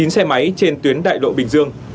chín xe máy trên tuyến đại lộ bình dương